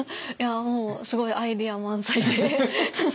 いやもうすごいアイデア満載で。